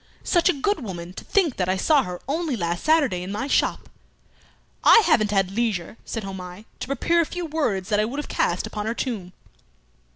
"Such a good woman! To think that I saw her only last Saturday in my shop." "I haven't had leisure," said Homais, "to prepare a few words that I would have cast upon her tomb."